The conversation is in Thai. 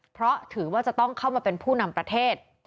เพราะถือว่าจะต้องเข้ามาเป็นผู้นำประเทศ